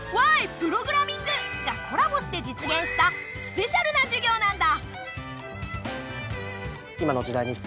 プログラミング」がコラボして実現したスペシャルな授業なんだ。